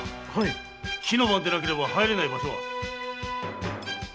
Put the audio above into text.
火の番でなければ入れない場所は？